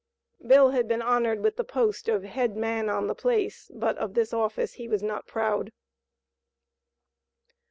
Bill had been honored with the post of "head man on the place," but of this office he was not proud.